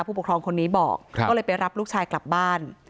ผู้ปกครองคนนี้บอกก็เลยไปรับลูกชายกลับบ้าน